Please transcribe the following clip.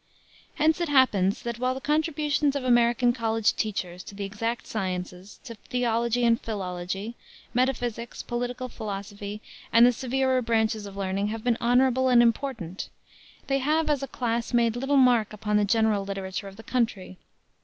Hence it happens that, while the contributions of American college teachers to the exact sciences, to theology and philology, metaphysics, political philosophy and the severer branches of learning have been honorable and important, they have as a class made little mark upon the general literature of the country.